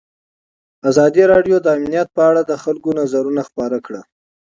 ازادي راډیو د امنیت په اړه د خلکو نظرونه خپاره کړي.